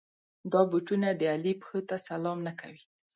دا بوټونه د علي پښو ته سلام نه کوي.